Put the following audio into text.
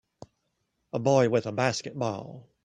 A boy with a basketball.